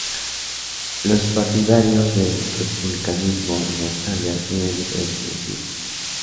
Los partidarios del republicanismo en Australia tienen diferentes motivos.